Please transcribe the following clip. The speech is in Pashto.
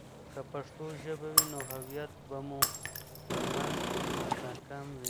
که پښتو ژبه وي، نو هویت به مو په منځ مي مستحکم وي.